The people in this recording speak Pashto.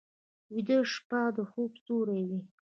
ویده شپه د خوب سیوری وي